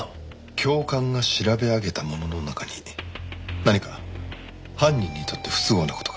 教官が調べ上げたものの中に何か犯人にとって不都合な事がある。